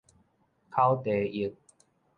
口蹄疫